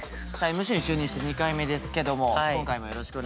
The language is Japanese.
ＭＣ就任して２回目ですけども今回もよろしくお願いいたします。